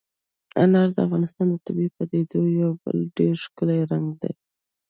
انار د افغانستان د طبیعي پدیدو یو بل ډېر ښکلی رنګ دی.